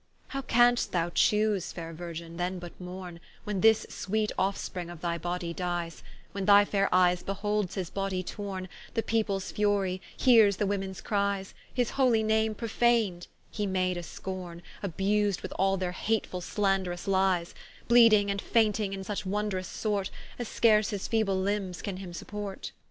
How can'st thou choose (faire Virgin) then but mourne, When this sweet of spring of thy body dies, When thy faire eies beholds his bodie torne, The peoples fury, heares the womens cries; His holy name prophan'd, He made a scorne, Abusde with all their hatefull slaunderous lies: Bleeding and fainting in such wondrous sort, As scarce his feeble limbes can him support.